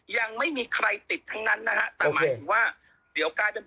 ยังไม่มีใครติดทั้งนั้นนะฮะแต่หมายถึงว่าเดี๋ยวกลายเป็น